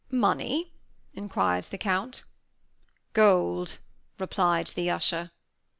"Money?" inquired the Count. "Gold," replied the usher.